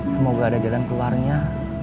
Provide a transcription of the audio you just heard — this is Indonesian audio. semoga ada jalan keluarnya